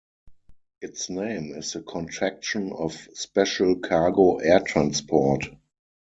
Its name is the contraction of Special Cargo Air Transport.